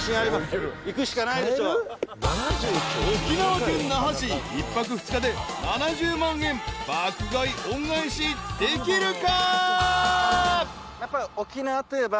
［沖縄県那覇市１泊２日で７０万円爆買い恩返しできるか？］